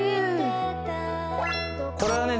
これはね